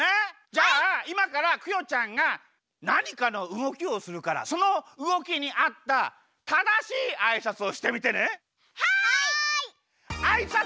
じゃあいまからクヨちゃんがなにかのうごきをするからそのうごきにあったただしいあいさつをしてみてね。